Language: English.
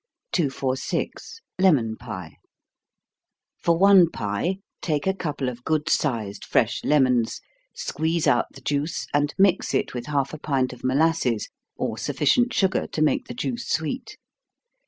246. Lemon Pie. For one pie, take a couple of good sized fresh lemons, squeeze out the juice, and mix it with half a pint of molasses, or sufficient sugar to make the juice sweet.